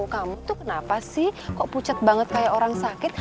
kamu tuh kenapa sih kok pucat banget kayak orang sakit